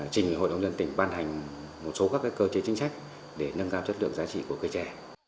chỉnh hội đồng nhân tỉnh văn hành một số các cơ chế chính trách để nâng cao chất lượng và giá trị của cây chè